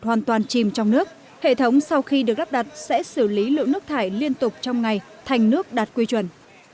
hoàn toàn chìm trong nước hệ thống sau khi được lắp đặt sẽ xử lý lượng nước thải liên tục trong ngày thành nước đạt quy chuẩn